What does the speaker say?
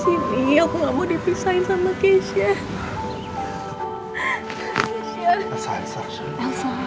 ya allah mama tahu nah betapa hancurnya